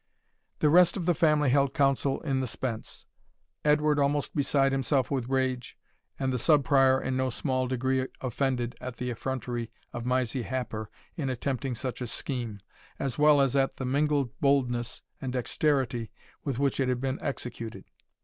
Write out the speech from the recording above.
The rest of the family held counsel in the spence, Edward almost beside himself with rage, and the Sub Prior in no small degree offended at the effrontery of Mysie Happer in attempting such a scheme, as well as at the mingled boldness and dexterity with which it had been executed.